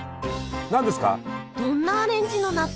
何ですか？